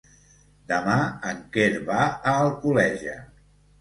Demà en Quer va a Alcoleja.